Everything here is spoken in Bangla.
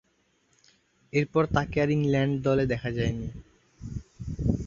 এরপর তাকে আর ইংল্যান্ড দলে দেখা যায়নি।